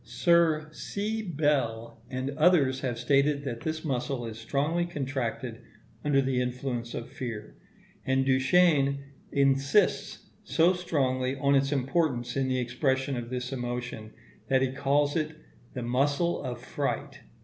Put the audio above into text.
Sir C. Bell and others have stated that this muscle is strongly contracted under the influence of fear; and Duchenne insists so strongly on its importance in the expression of this emotion, that he calls it the muscle of fright.